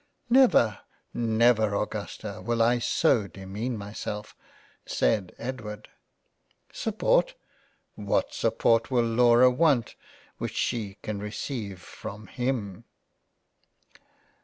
" Never, never Augusta will I so demean myself, (said Edward). Support ! What support will Laura want which she can receive from him